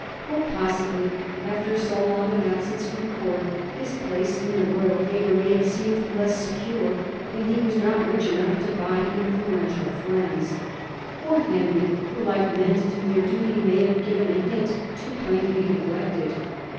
Or possibly, after so long an absence from Court, his place in the royal favour may have seemed less secure, and he was not rich enough to buy influential friends. Or Henry, who liked men to do their duty, may have given a hint too plain to be neglected.